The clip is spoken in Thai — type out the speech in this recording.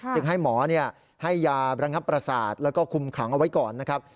จึงให้หมอให้ยาระงับประสาทแล้วก็คุมขังเอาไว้ก่อนนะครับ